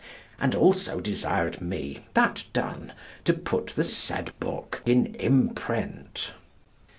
And also desired me, that done, to put the said book in imprint.